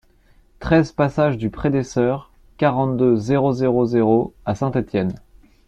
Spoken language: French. treize passage du Pré des Soeurs, quarante-deux, zéro zéro zéro à Saint-Étienne